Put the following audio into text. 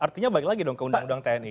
artinya balik lagi dong ke undang undang tni